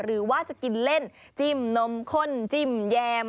หรือว่าจะกินเล่นจิ้มนมข้นจิ้มแยม